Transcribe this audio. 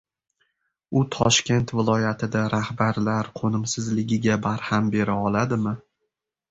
U Toshkent viloyatida rahbarlar qo‘nimsizligiga barham bera oladimi?